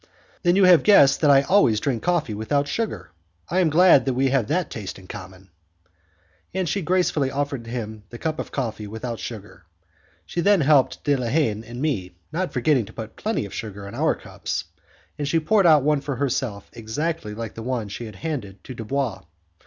"Then you have guessed that I always drink coffee without sugar. I am glad we have that taste in common." And she gracefully offered him the cup of coffee without sugar. She then helped De la Haye and me, not forgetting to put plenty of sugar in our cups, and she poured out one for herself exactly like the one she handed to Dubois.